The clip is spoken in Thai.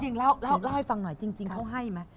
ฉันจะเสนให้พ่อเอชาแยมิธัยเลย